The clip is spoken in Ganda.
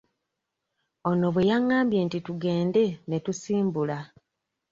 Ono bwe yagambye nti tugende ne tusimbula.